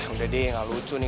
udah deh gak lucu nih